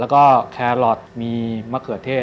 ก็แครอทมีมะเขือเทศ